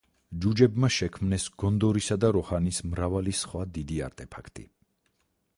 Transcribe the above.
ჯუჯებმა შექმნეს გონდორისა და როჰანის მრავალი სხვა დიდი არტეფაქტი.